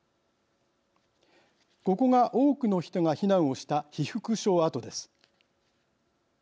ここが多くの人が避難をした被服廠跡です。